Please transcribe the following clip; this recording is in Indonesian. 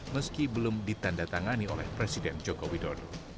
meski belum ditanda tangani oleh presiden joko widodo